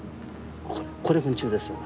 これ糞虫ですよね。